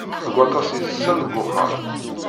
Deg waṭas yid-sen deg uxxam.